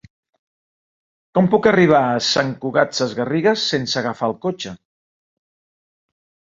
Com puc arribar a Sant Cugat Sesgarrigues sense agafar el cotxe?